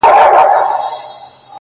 كه بې وفا سوې گراني -